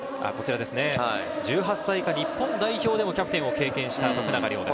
１８歳以下日本代表でもキャプテンを経験した徳永涼です。